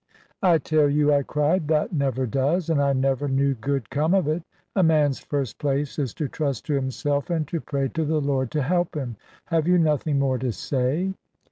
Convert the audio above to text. "I tell you," I cried; "that never does. And I never knew good come of it. A man's first place is to trust to himself, and to pray to the Lord to help him. Have you nothing more to say?"